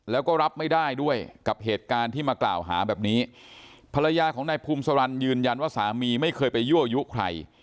แล้วก็รับไม่ได้ด้วยกับเหตุการณ์ที่มากล่าวหาแบบนี้ภรรยาของนายภูมิสารันยืนยันว่าสามีไม่เคยไปยั่วยุใคร